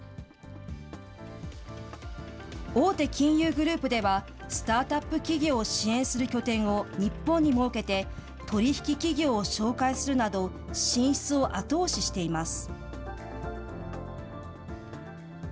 大手金融グループでは、スタートアップ企業を支援する拠点を日本に設けて、取り引き企業を紹介するなど、進出を後押ししています。